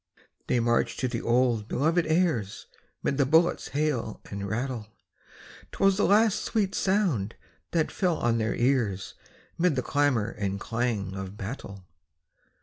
They marched to the old belovèd airs 'Mid the bullets' hail and rattle; 'Twas the last sweet sound that fell on their ears 'Mid the clamor and clang of battle.